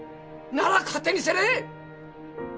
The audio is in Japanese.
なら勝手にせんね！